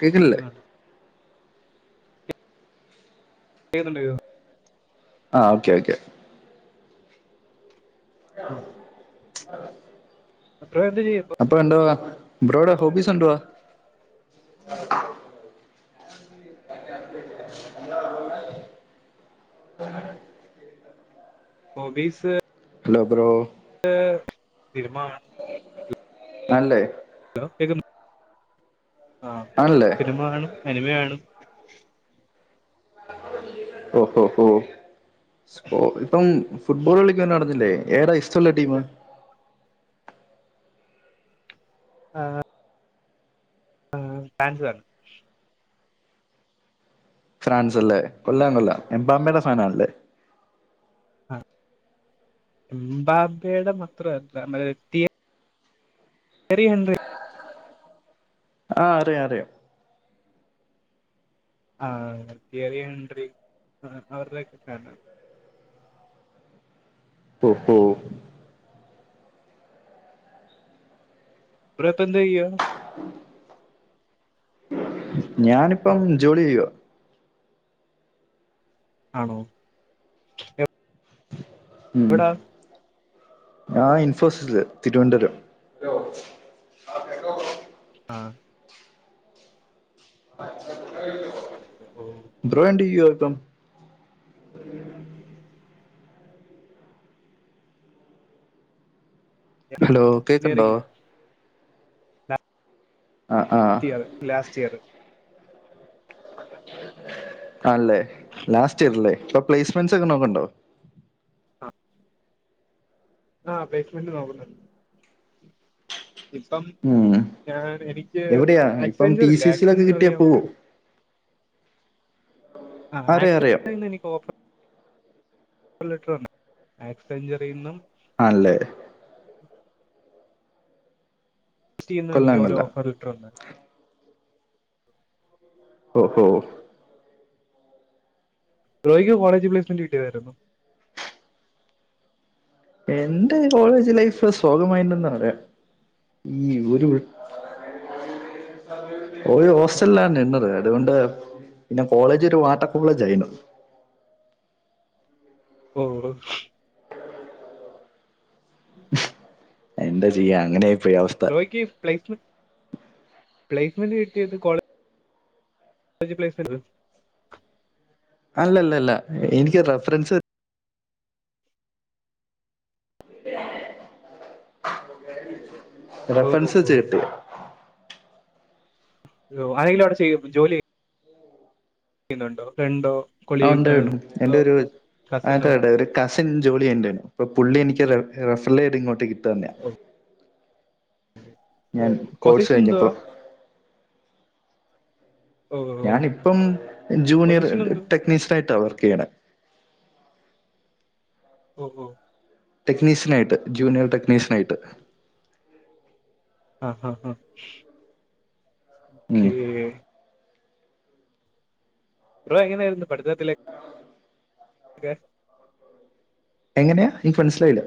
കേക്കില്ലെ? കേക്കുന്നുണ്ടോ ഏതുണ്ടോയൊ ആഹ് ഓക്കെ ഓക്കെ [inaudible] അപ്പവെ എന്ത് ചെയ്യാ ഇപ്പം? അപ്പൊ എന്തോവാ ബ്രോഡ ഹോബീസ് എന്തുവാ? ഉ എന്താ അമ്മൂമ്മ ഹോബീസ് ഹലോ ബ്രോ എഹ് സിനിമ കാണും അല്ലേ ഹലോ കേ ആഹ് ആണല്ലേ. സിനിമ കാണും, അനിമെകാണും. ഓഹോ ഹോ ഹോ ഇപ്പം ഫുട്ബോൾ കളിക്കന്ന കാണാത്തില്ലേ? ഏറൊ ഇഷ്ട ഷ്ടല്ലേ ടീം. ആഹ്. ആഹ് [unintelligible] ഫ്രാൻസ് അല്ലേ. കൊള്ളാം കൊള്ളാം എംമാപ്പേടെ ഫാനാണല്ലേ? എംമ്പാപ്പെടെ മാത്രം അല്ല, നമ്മടെ [unintelligible] വരെണ്ട്. ആഹ് അറിയാം അറിയാം. ആഹ് തിയറി എൻട്രി ആഹ് അവരുടെ ഒക്കെ കാണും ഓ ഹോ ബ്രോ ഇപ്പൊ എന്തോ ചെയ്യാ? [inaudible] ഞാനിപ്പം ജോലി ചെയ്യുവ്യാ ആണോ? എപ് മ് ആ ഇൻഫോസിസില് തിരുവോന്താരം [unintelligible] ആഹ് [unintelligible] എ ഹോ ബ്രോ എന്ത്യ്യാ ഇപ്പം ഹലോ കേക്ക്ണ്ടോ എഞ്ചിനീയറിംഗ് ആ ആ [unintelligible] ലാസ്റ്റ് ഇയറ് അല്ലെ ലാസ്റ്റ് ഇയറ് അല്ലേ? ഇപ്പൊ പ്ലേസ്മെന്റ്സ് ഒക്കെ നോക്കണ്ടോ? ആഹ് ആഹ് പ്ലസ്മൊൻെറ് നോക്ക്ന്ണ്ട് ഇപ്പം ഉം ഞാൻ എനിക്ക് എവിടെയാ ഇപ്പം ടി ആക്സെഞ്ചർ ഇല്ലേ സി സിയിലൊക്കെ കിട്ടിയാ ആക്സെഞ്ചർഅറിയാവോ പോവോ ആഹ് അറിയാം അറിയാം ആക്സറിന് എനിക്ക് ഓഫ [unintelligible] ആക്സഞ്ചരിനും ആണ് ല്ലേ? സിറ്റീന്നും കൊള്ളാം എനിക്ക് ഒര് കൊള്ളാം ഓഫർ ലെറ്റർ വന്നെ ഒഹോ ഒഹോ ജോലിക് പ്ലസ്മെൻെ്റി കിട്ടതാരുന്നു എന്റെ കോളേജ് ലൈഫ് സോഗമായിന്നെന്നു പറയാം ഈ ഉരുൾ ഓല് ഹോസ്റ്റൽ ആ നിന്നത് അതുകൊണ്ട് പിന്നെ കോളേജ് ഒരു വാട്ടകോളേജ് ആയിനു ഓഹോ [inaudible] എന്താ ചെയ്യാ അങ്ങനെ ആയിപ്പോയി അവസ് എനിക്കീ പ്ലൈസ്മെൻ പ്ലൈസ്‌മെന്റ് കിട്ടീട്ട് കോളേ [unintelligible] അല്ല അല്ല അല്ലാ എനിക്ക് റേഫറൻസ് ഓ ഓ റെഫറൻസ് ഓ ചെയ്യട്ടെ? ആരെലും അവടെ ചെയ്യും ജോലി ക്കുന്നുണ്ടോ? ഫ്രണ്ടോ ആ കൊളീ ഉണ്ട് യെന്തരു കസിനോ [unintelligible] കസിൻ ജോലി ചെയ്യ്ണ്ടേനും അപ്പൊ പുള്ളി എനിക്ക് റെ റെഫെർല് ചെയ്തിട്ട് ഇങ്ങോട്ടേക്ക് ഇട്ടു തന്നെയാ. ഞാൻ കോഴ്സ് പൊസിഷൻ എന്തുവാ? കഴിഞ്ഞപ്പോ ഓ ഓ ഞാനിപ്പം ജൂനിയർ പൊസിഷൻ എന്തുവാ ടെക്നീഷ്യൻ ആയിട്ടാണ് വർക്ക് ചെയ്യണേ ഓ ഓ ടെക്നീഷൻ ആയിട്ട്, ജൂനിയർ ടെക്നീഷൻ ആയിട്ട്. ആഹ് ആഹ് ആഹ് ഉം ക്കെ ബ്രോ എങ്ങനെ ആയിരുന്നു പഠിത്തത്തില് ഒക്കെ? എങ്ങനെയാ എനിക്ക് മനസ്സിലായില്ല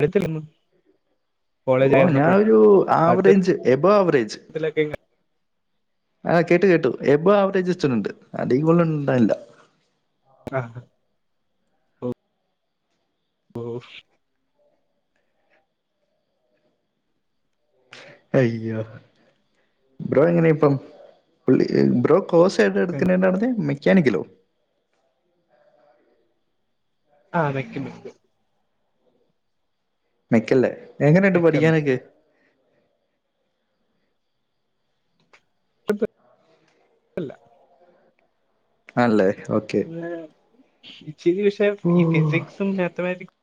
വെക്കല്ലെന്ന ഓ ഞാ ഒരു ആവറേജ് എബോ ആവറേജ് [unintelligible] ആഹ് കേട്ട് കേട്ടു. എബോവ് ആ [unintelligible] അധികൂടുതലോണ്ടാല്ല. ആഹ്. ഓഫ്. അയ്യോ ബ്രോ എങ്ങനെ ഇപ്പം? പുള്ളി ബ്രോ കോഴ്സേതെടുക്കണേന്നാ ണ് ഞ്ഞെ മെക്കാനിക്കലോ? ആഹ് മെക്ക് മെക്ക്. മെക്കല്ലേ. എങ്ങനെണ്ട് മെക്ക മെക്ക പഠിക്കാനൊക്കെ? കുഴപ്പല്ല. ആണല്ലേ ഓക്കെ. അല്ല ഇച്ചിരി വിഷയം ഓ, ഈ ഫിസിക്സും മാത്തമാറ്റിക്സ്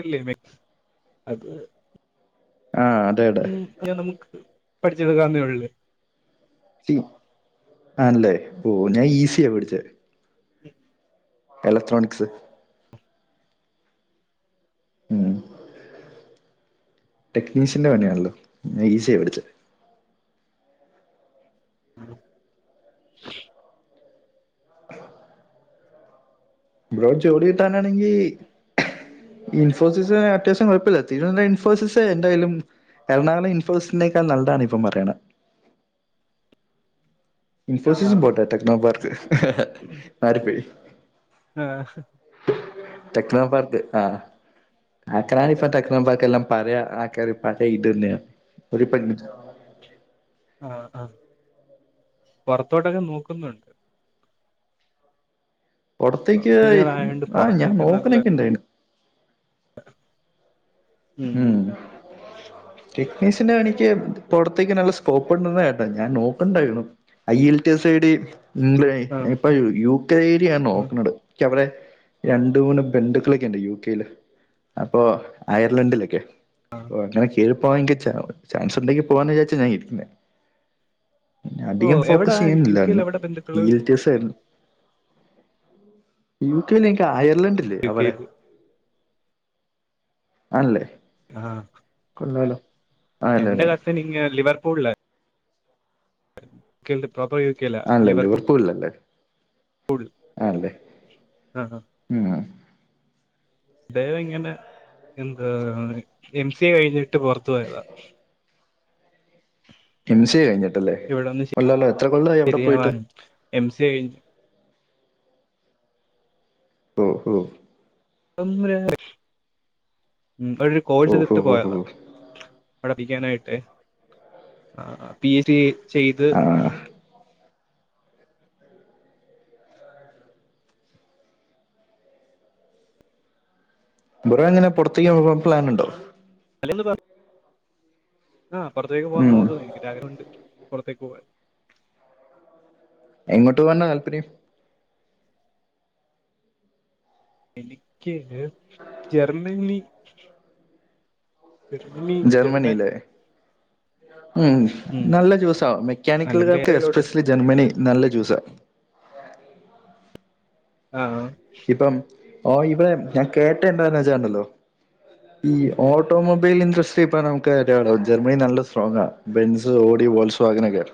അല്ലേ മാക്സ് അത്... ആഹ്. ഉ ഞാൻ നമുക്ക് പഠിച്ചെടുകാന്നേ ഒള്ള്. ഉം ആണല്ലേ. ഓ ഞാൻ ഈസിയ പഠിച്ചെ. മം. എലക്ട്രോണിക്സ്. എഹ്. ടെക്നീഷ്യന്റെ പണിയാണല്ലോ. ഞാൻ ഈസിയ പഠിച്ചെ. ഉം [unintelligible] ബ്രോ ജോടി കിട്ടാനാണെങ്കി ഇൻഫോസിസ് അത്യാവശ്യം കുഴപ്പല്ല. [unintelligible] ഇൻഫോസിസ് എന്തായാലും എറണാളം ഇൻഫോസിസ്നേക്കാൾ നല്ലാണ് ഇപ്പം പറയണ. ആ ആ, ഇൻഫോസിസ് പോട്ടെ. ആ. ടെക്നോ പാർക്ക്. മാറിപോയ്‌. ആഹ്. ടെക്നോ പാർക്ക് ആഹ് ആക്ക്രാനിപ്പ പിന്നെ [unintelligible] പാർക്ക്‌ല്ലാം പഴയ ആക്കര് [inaudible] ആഹ് ആഹ്. പൊറത്തോട്ടൊക്കെ നോക്കുന്നൊണ്ട്. പൊറത്തേയ്ക്ക് എഞ്ചിനീയർ ആയതുകൊണ്ട് ആഹ് ഞാൻ പുറത്തൊക്കെ നല്ല നോക്കണക്കെ ഉണ്ടായ്നു. [unintelligible] ഉം, മം [inaudible] ടെക്നീഷ്യന്റെ പണിക്ക് പൊറത്തേക്ക് നല്ല സ്കോപ്പ്ണ്ടന്ന കേട്ടെ. ഞാൻ നോക്ക്ണ്ടായ്ര്ന്നു. ഐ എൽ ടി സൈഡ്ം ഗ്ലയ് ആ, ഇപ്പൊ യൂകയ്ടി ആ നോക്കണത്. യ്ക്കവിടെ രണ്ട് മൂന്ന് ബന്ധുക്കളൊക്കെയൊണ്ട് യു കെയ്ല് അപ്പോ അയർലാഡിലൊക്കെ. ഓഹ് അങ്ങനെ കേറി പോവാെങ്കി. ചാ ചാൻസ്ണ്ടെങ്കി പോവാന്ന് വിചാരിച്ചാ ഞാൻ ഇര്ക്ക്ന്നേ. ഓ അധികം എവിടാ ഫോക്കസ് യു കെയിൽ ചെയ്യാനില്ലാര്ന്ന്. എവിടെ ഈ ബന്ധുക്കള് എൽ റ്റി എസാര്ന്ന് യൂ കെൽ എനിക്ക് അയർലൻഡല്ലേ യു അവടെ. കെയിൽ ആണല്ലേ. ആഹ്. കൊള്ളാല്ലോ. എന്റെ കസിൻ ഇങ്ങ് ലിവർപൂൾലാ- കേല്ലെ പ്രോപ്പർ യൂകേലാ ലീവർപോ - പൂൾലല്ലേ അല്ലേ ആ ആ. ഉംഹ് ദ്ദേഹിങ്ങനെ എന്താ എം സി എ കഴിഞ്ഞിട്ട് പൊറത്ത് പോയതാ. എം സി എ കഴിഞ്ഞിട്ടല്ലേ ഇവിടെ ഒന്ന് കൊള്ളാല്ലോ എത്ര കൊല്ലായി അവിടെ പോയിട്ട് ശരിയാവാൻ എം സി എ കയ്ഞ് ഓഹ് ഓഹോ [unintelligible] ഉം അവടൊരു ഓ ഹോ കോഴ്സെട്ത്ത് ഹോ ഹോ പോയതാ അവിടെ പഠിക്കാനായിട്ട് ആഹ് പി എച്ച്ഡി ചെയ്ത് ആ ബ്രോ എങ്ങനെ പൊറത്തേക്ക് പോവാം പ്ലാനൊണ്ടോ? അല്ലേന്ന് പർ ആഹ് പുറത്തേക്ക് പോവാൻ ഉം നോക്കുന്ന്. എനിക്ക് ആഗ്രഹുണ്ട് പുറത്തേക്ക് പോകാൻ എങ്ങോട്ട് പോവാന്നാ താല്പര്യം എനിക്ക് ജർമ്മനി ജർമനി ജർമ്മനിലേ ഉം ഉം നല്ല ചൂസാ അല്ലെങ്കിൽ മെക്കാനിക്കലുകാർക്ക് ഏറയിലോട്ട് എസ്പെഷ്യലി ജർമ്മനി നല്ല ചൂസാ ആഹ് ഇപ്പം ഓ ഇവിടെ ഞാൻ കേട്ട എന്താന്ന് വെച്ചാണ്ടല്ലോ ഈ ഓട്ടോമൊബൈൽ ഇൻഡസ്ട്രി ഇപ്പ നമുക്ക് ജർമ്മനി നല്ല സ്ട്രോങാ ബെൻസ്, ഓടി, വോൾസ് വോഗനൊക്കെ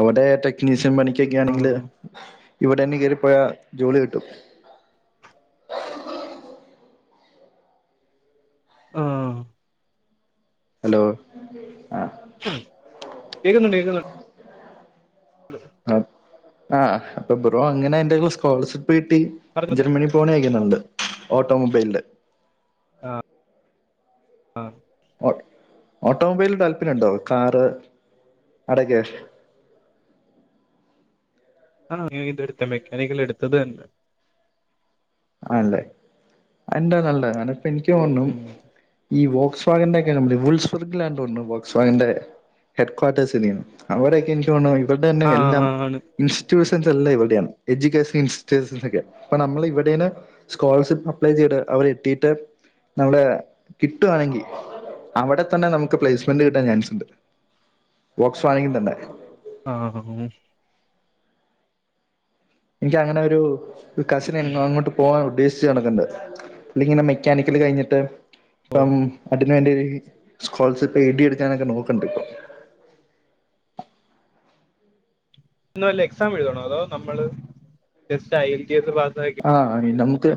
അവിടെ ടെക് നിസം ആ പണിക്കൊക്കെയാണെങ്കില് ഇവിടെന്നെ കേറിപ്പോയാ ജോലി കിട്ടും [unintelligible] ആഹ് ഹലോ ആഹ് കേക്കുന്നുണ്ട് കേക്കുന്നുണ്ട് ലോ ആ ആഹ് അപ്പൊ ബ്രോ അങ്ങനെ എന്തെങ്കിലും സ്കോളർഷിപ്പ് കിട്ടി പറഞ്ഞു പറഞ്ഞു ജർമനി പോണയക്കണണ്ട് ഓട്ടോമൊബൈലിൻ്റെ അഹ് ആഹ് ഓട്ടോമൊബൈലിൽ താല്പര്യുണ്ടോ? കാറ് അടക്കെ ആഹ് ഇതെടുത്ത മെക്കാനിക്കൽ എടുത്തത് തന്നെ ആല്ലേ അൻ്റ നല്ല ഇപ്പ എനിക്ക് ഒന്നും ഉം. ഈ വോക്സ് വാഗിന്റെ ഒക്കെ കബനി വുൾസ്ബർഗലാ തോന്ന്ണു വോക്സ് വാഗിന്റെ ഹെഡ്ക്വാർട്ടേഴ്സിര്ക്ക്ണ് അവിടെക്കെ എനിക്കോണു ഇവരടെന്നെ ആ എല്ലാം ആ, ആണ് ഇൻസ്റ്റൂഷൻസെല്ലാ ഇവിടെണ് എഡ്യൂക്കേഷണൽ ഇൻസ്റ്റിറ്റ്യൂഷൻസ് ഒക്കെ അപ്പോ നമ്മൾ ഇവിടേനെ സ്കോളർഷിപ്പ് അപ്ലൈ ചെയ്‌ട് അവടെത്തീട്ട് നമ്മടെ കിട്ടുവാണെങ്കിൽ അവിടെ തന്നെ നമുക്ക് പ്ലേസ്മെന്റ് കിട്ടാൻ ചാൻസ്ണ്ട് വോക്സ് വാഗണിൻ്റെ തന്നെ ആഹഹൂ എനിക്ക് അങ്ങനെ ഒരു കസിന് അങ്ങോട്ട് പോവാൻ ഉദ്ദേശിച്ച് നടക്ക്ണ്ട് എനിക്കിങ്ങനെ മെക്കാനിക്കല് കഴിഞ്ഞിട്ട് ഓ ഇപ്പം അയ്ന് വേണ്ടി സ്കോളർഷിപ്പ് എഴ്ടി എടുക്കാനൊക്കെ നോക്കുണ്ട് ഇപ്പോ ഇതിന്‌വല്ല എക്സാം എഴുതണോ അതോ നമ്മള് just I L T S പാസായി കഴി ആഹ് നമുക്ക്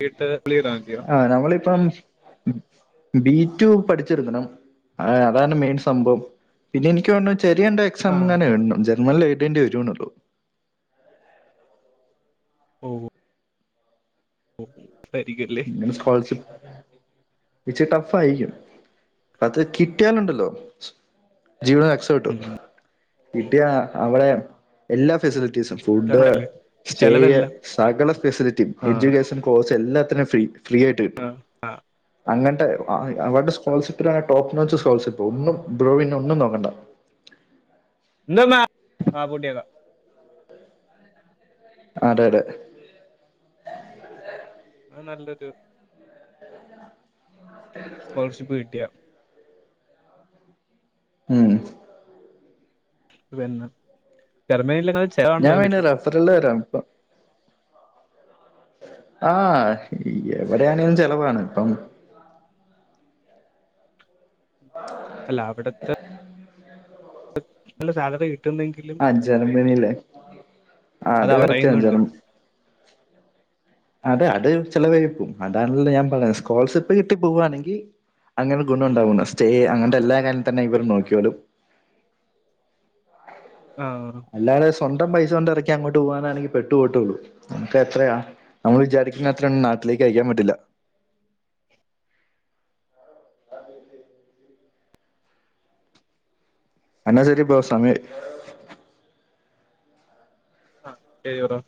കീട്ടപ്ലിയ്താ മതിയോ ആ നമ്മളിപ്പം ബി ടു പഠിച്ചെടുക്കണം ആ അതാണ് മെയിൻ സംഭവം പിന്നെ എനിക്ക് തോണു ചെറിയെന്തോ എക് സാം ആ ങ്ങനെ എഴ്ണം. ജർമനിൽ എഴ്തേണ്ടി വരുംന്നൊള്ളൂ ഓഹ് [inaudible] അല്ലേ [unintelligible] സ്കോളർഷിപ്പ്- ഇച്ച് ടഫായിക്കും അത് കിട്ട്യാലുണ്ടല്ലോ. ജീവിത എക്സപ്പെട്ടു ഉം കിട്ടിയ അവടെ എല്ലാ ഫെസ് ലിറ്റീസും. ഫുഡ്, നമ്മുടെല്ലേ സ്റ്റേയ്യ ചെലവെല്ലാം സകല ഫെസിലിറ്റിം. ആ എഡ്യൂക്കേഷൻ കോഴ്സ് എല്ലാത്തിനും ഫ്രീ. ഫ്രീ ആയിട്ട് കിട്ടും ആ ആ അങ്ങട്ട്. ആ അവര്ടെ സ്കോളർഷിപ്പിലാണ് ടോപ്പ് നോച്ച് സോൾസിപ്പ് ഒന്നും ബ്രോ പിന്നൊന്നും നോക്കണ്ട. ന്ന ന്നാ ആ പൂട്ട്യക്കാ. ആ ആട ടെ. അവ് നല്ലൊരു. സ്കോളർഷിപ്പ് കിട്ടിയ. ഉം. വെര്ന്ന ടർമ്മനീല ച്ച്- ഞാ പിന്നെ റഫർ ല് രാംപ്പ. ആഹ് എവിടെയാണേലും ചെലവാണ് പ്പം. [inaudible] അല്ല അവിടത്തെ. ല്ല സാലറി കിട്ടുന്നെങ്കിൽ. ജർമ്മനില്ലേ ആ അത് കറക്റ്റാ [unintelligible] ഞ്ഞ്ൽ അതെ അത് ചെലവയുപ്പ അതാണല്ല ഞാപറഞ സ്കോളർ സിപ്പ് കിട്ടി പോവാണെങ്കി. അങ്ങനെ ഗുണണ്ടാവുണ സ്റ്റേ അങ്ങൻത്തെ എല്ലാ [unintelligible] തന്നെ ഇവർ നോക്ക്യോലും. ആഹ്. അല്ലാത സ്വന്തം പൈസ കൊണ്ട് ഇറക്കി അങ്ങോട്ട് പോകുവാന്നാണെ പെട്ടുപോട്ടുള്ളു മുക്ക് എത്രയാ? അമ്മൾ വിചാരിക്കുന്നത്ര നാട്ടിലേക്കയക്കാൻ പറ്റില്ല. [unintelligible] എന്നാ ശരിപ്പ സമയ- അ [unintelligible]